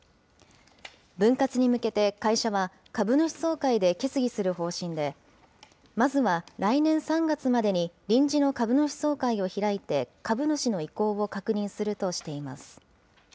分割に向けて会社は、株主総会で決議する方針で、まずは来年３月までに臨時の株主総会を開いて、株主の意向を確認するとしています。